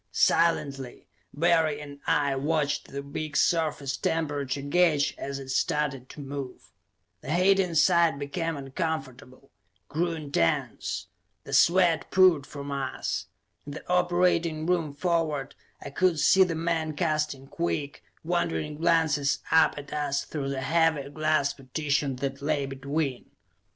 Silently, Barry and I watched the big surface temperature gauge as it started to move. The heat inside became uncomfortable, grew intense. The sweat poured from us. In the operating room forward, I could see the men casting quick, wondering glances up at us through the heavy glass partition that lay between.